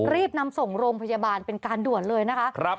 รีบนำส่งโรงพยาบาลเป็นการด่วนเลยนะคะ